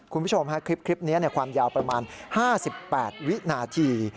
คุณผู้ชมฮะคลิปนี้ความยาวประมาณ๕๘วินาที